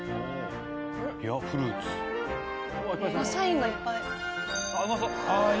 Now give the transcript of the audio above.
サインがいっぱい。